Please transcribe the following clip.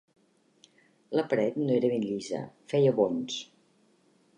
La paret no era ben llisa: feia bonys.